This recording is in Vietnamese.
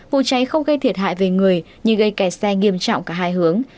vụ cháy không gây thiệt hại về người nhưng gây kẹt xe nghiêm trọng cả hai hướng